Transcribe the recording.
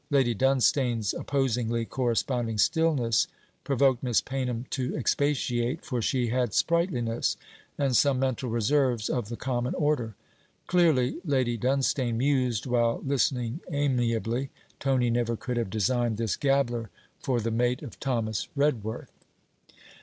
Lady Dunstane's opposingly corresponding stillness provoked Miss Paynham to expatiate, for she had sprightliness and some mental reserves of the common order. Clearly, Lady Dunstane mused while listening amiably, Tony never could have designed this gabbler for the mate of Thomas Redworth!